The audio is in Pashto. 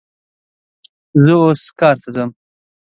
زه اوس کار ته ځم